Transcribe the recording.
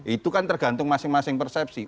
itu kan tergantung masing masing persepsi